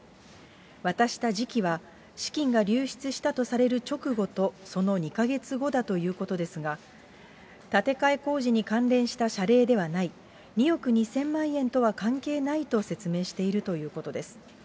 渡した時期は、資金が流出したとされる直後とその２か月後だということですが、建て替え工事に関連した謝礼ではない、２億２０００万円とは関係ないと説明しているということです。